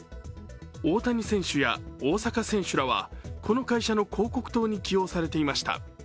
大谷選手や大坂選手らはこの会社の広告塔に起用されていました。